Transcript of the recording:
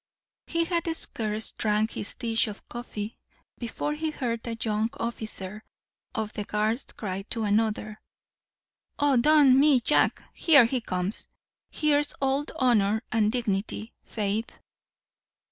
He had scarce drank his dish of coffee before he heard a young officer of the guards cry to another, "Od, d n me, Jack, here he comes here's old honour and dignity, faith."